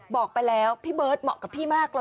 บอกไปแล้วพี่เบิร์ตเหมาะกับพี่มากเลย